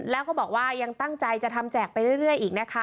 แล้วก็บอกว่ายังตั้งใจจะทำแจกไปเรื่อยอีกนะคะ